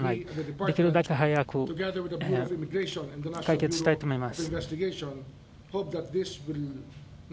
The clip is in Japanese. できるだけ早く解決したいと思います。